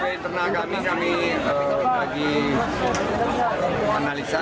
tapi kita menunjukkan kinerja yang sangat baik